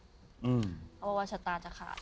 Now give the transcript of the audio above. เขาบอกว่าวัชตาจะขาด